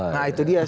nah itu dia